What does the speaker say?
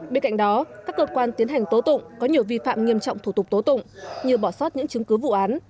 bên cạnh đó các cơ quan tiến hành tố tụng có nhiều vi phạm nghiêm trọng thủ tục tố tụng như bỏ sót những chứng cứ vụ án